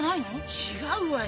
違うわよ！